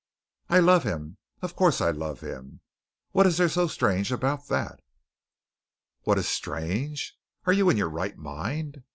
"I love him. Of course, I love him. What is there so strange about that?" "What is strange? Are you in your right mind?